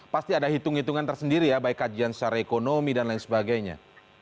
pasti ada hitung hitungan tersendiri ya baik kajian secara ekonomi dan lain sebagainya